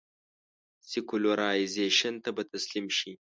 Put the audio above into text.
سیکولرایزېشن ته به تسلیم شي.